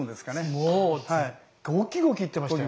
もうゴキゴキいってましたよ。